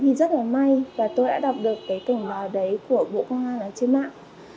thì rất là may và tôi đã đọc được cái cảnh báo đấy của bộ công an trên mạng